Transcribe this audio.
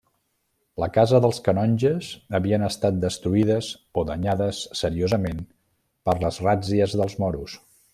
La Casa dels Canonges havien estat destruïdes o danyades seriosament per les ràtzies dels moros.